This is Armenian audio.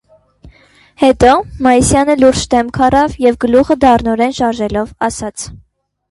Հետո Մարիսյանը լուրջ դեմք առավ և գլուխը դառնորեն շարժելով ասաց.